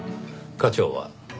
課長は？